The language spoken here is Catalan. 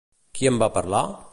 Qui en va parlar?